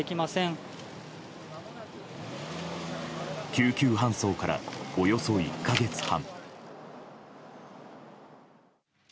救急搬送から、およそ１か月半。